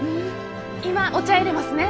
今お茶いれますね。